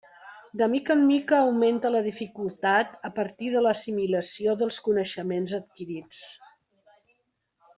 De mica en mica augmenta la dificultat a partir de l'assimilació dels coneixements adquirits.